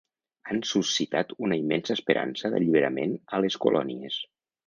Han suscitat una immensa esperança d'alliberament a les colònies.